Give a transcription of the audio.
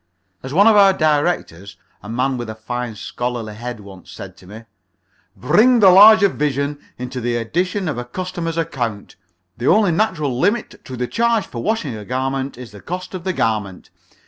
As one of our directors a man with a fine, scholarly head once said to me: "Bring the larger vision into the addition of a customer's account. The only natural limit to the charge for washing a garment is the cost of the garment.